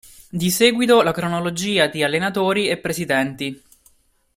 Di seguito la cronologia di allenatori e presidenti.